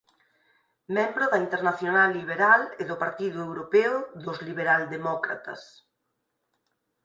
Membro da Internacional Liberal e do Partido Europeo dos Liberal Demócratas.